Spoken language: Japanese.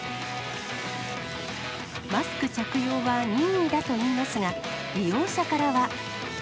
マスク着用は任意だといいますが、利用者からは。